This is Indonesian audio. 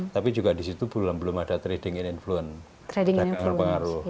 tapi juga di situ belum ada trading in influence